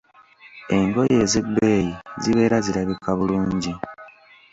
Engoye ez'ebbeeyi zibeera zirabika bulungi.